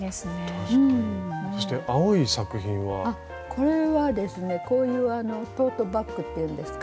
これはですねこういうあのトートバッグっていうんですか